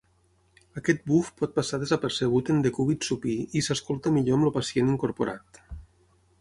Aquest buf pot passar desapercebut en decúbit supí i s'escolta millor amb el pacient incorporat.